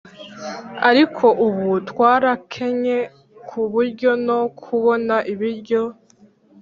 Ariko ubu twarakennye kuburyo no kubona ibiryo